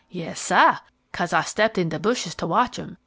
"Yes, sah; 'case I stepped in de bushes to watch 'em.